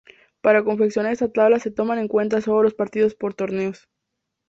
Para confeccionar esta tabla se toman en cuenta sólo los partidos por torneos.